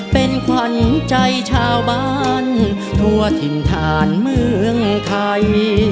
เป็นขวัญใจชาวบ้านทั่วถิ่นฐานเมืองไทย